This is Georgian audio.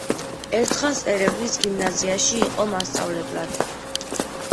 ერთხანს ერევნის გიმნაზიაში იყო მასწავლებლად.